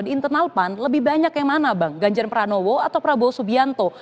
di internal pan lebih banyak yang mana bang ganjar pranowo atau prabowo subianto